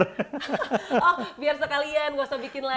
oh biar sekalian gak usah bikin lagi